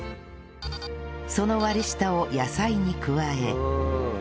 その割り下を野菜に加え